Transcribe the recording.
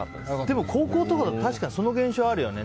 でも高校とかだとそういう現象もあるよね。